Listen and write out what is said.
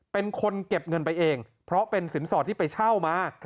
เป็นคนเก็บเงินไปเองเพราะเป็นสินสอดที่ไปเช่ามา